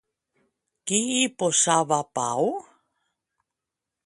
Qui hi posava pau?